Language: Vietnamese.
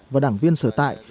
và đảng viên sở tại